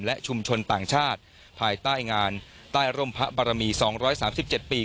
และชุมชนต่างชาติภายใต้งานใต้ร่มพระบรมี๒๓๗ปี